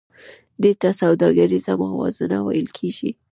دې ته سوداګریزه موازنه ویل کېږي